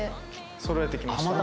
そろえてきました。